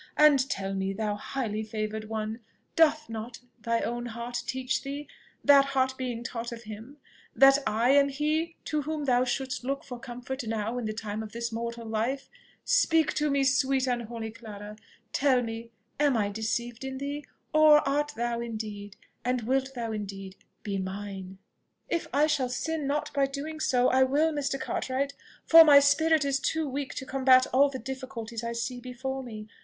And tell me, thou highly favoured one, doth not thy own heart teach thee, that heart being taught of him, that I am he to whom thou shouldst look for comfort now in the time of this mortal life? Speak to me, sweet and holy Clara. Tell me, am I deceived in thee? Or art thou indeed, and wilt thou indeed be mine?" "If I shall sin not by doing so, I will, Mr. Cartwright; for my spirit is too weak to combat all the difficulties I see before me.